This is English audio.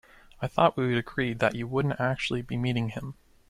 I thought we'd agreed that you wouldn't actually be meeting him?